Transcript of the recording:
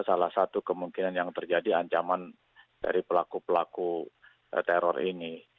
salah satu kemungkinan yang terjadi ancaman dari pelaku pelaku teror ini